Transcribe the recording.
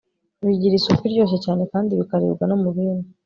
Bigira isupu iryoshye cyane kandi bikaribwa no mu bindi …